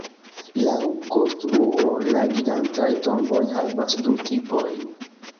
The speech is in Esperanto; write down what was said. Laŭ konstruo, la gigantaj tomboj havas du tipojn.